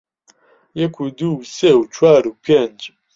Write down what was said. یەک و دوو و سێ و چوار و پێنج